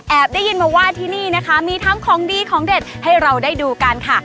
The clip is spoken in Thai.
ได้ยินมาว่าที่นี่นะคะมีทั้งของดีของเด็ดให้เราได้ดูกันค่ะ